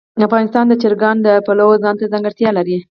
افغانستان د چرګان د پلوه ځانته ځانګړتیا لري.